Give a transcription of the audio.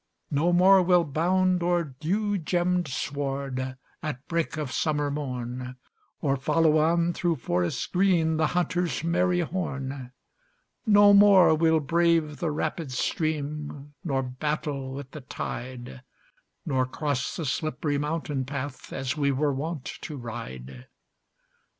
No more we'll bound o'er dew gemmed sward At break of summer morn, Or follow on, through forests green, The hunter's merry horn; No more we'll brave the rapid stream, Nor battle with the tide, Nor cross the slipp'ry mountain path, As we were wont to ride.